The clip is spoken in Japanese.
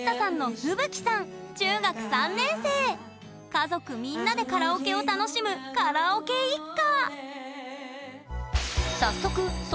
家族みんなでカラオケを楽しむカラオケ一家！